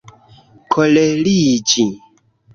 koleriĝi